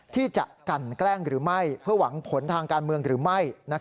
ที่จะกันแกล้งหรือไม่เพื่อหวังผลทางการเมืองหรือไม่